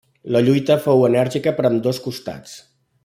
La lluita fou enèrgica per ambdós costats.